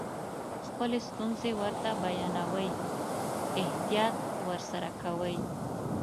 خپلې ستونزې ورته بیانوئ احتیاط ورسره کوئ.